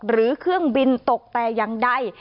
หรือเครื่องบินตกแต่ยังได้